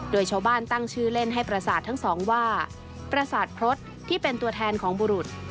โดยชาวบ้านตั้งชื่อเล่นให้ประสาททั้งสองว่าประสาทพรสที่เป็นตัวแทนของบุรุษ